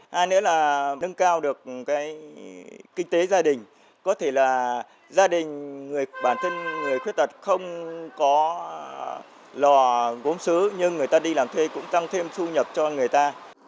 hai nữa là nâng cao được kinh tế gia đình có thể là gia đình bản thân người khuyết tật không có lò gốm xứ nhưng người ta đi làm thuê cũng tăng thêm thu nhập cho người ta